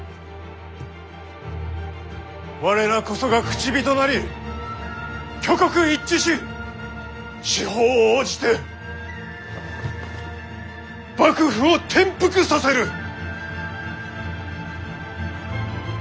我らこそが口火となり挙国一致し四方応じて幕府を転覆させる！